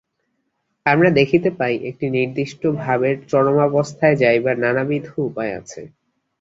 আমরা দেখিতে পাই, একটি নির্দিষ্ট ভাবের চরমাবস্থায় যাইবার নানাবিধ উপায় আছে।